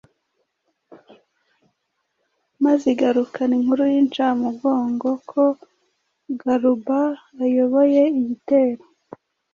maze igarukana inkuru y’incamugongo ko Galuba ayoboye igitero